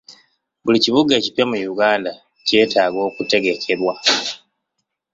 Buli kibuga ekipya mu Uganda kyetaaga okutegekerwa.